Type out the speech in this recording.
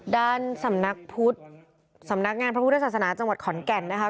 ด้านสำนักพุทธสำนักงานพระพุทธศาสนาจังหวัดขอนแก่นนะคะ